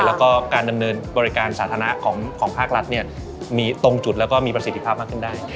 แล้วก็การดำเนินบริการสาธารณะของภาครัฐมีตรงจุดแล้วก็มีประสิทธิภาพมากขึ้นได้